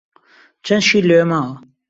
چەند شیر لەوێ ماوە؟